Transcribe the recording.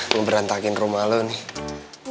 gue berantakin rumah lo nih